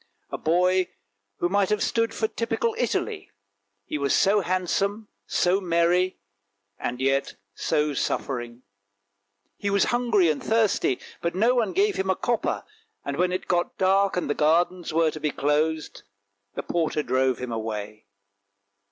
A boy who might have stood for typical Italy; he was so handsome, so merry, and yet so suffering. He was hungry and thirsty, but no one gave him a copper, and when it got dark and the gardens were to be closed, the porter drove him away.